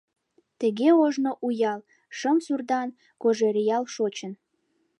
Тыге ожно у ял — шым суртан Кожеръял — шочын.